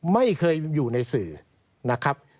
ไม่เคยอยู่ในสื่อนะครับ